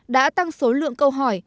đã tăng số lượng câu hỏi